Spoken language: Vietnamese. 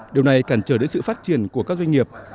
điều này cản trở đến sự phát triển của các doanh nghiệp